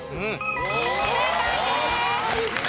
正解です。